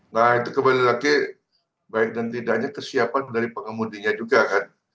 nah itu kembali lagi baik dan tidaknya kesiapan dari pengemudinya juga kan